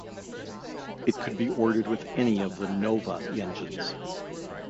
It could be ordered with any of the Nova engines.